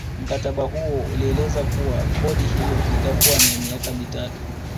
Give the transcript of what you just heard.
Mkataba huo ulieleza kuwa kodi hiyo itakuwa ni ya miaka mitatu